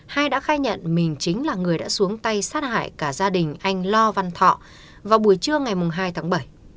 hai đã khai nhận mình chính là người đã xuống tay sát hại cả gia đình anh lo văn thọ vào buổi trưa ngày hai tháng bảy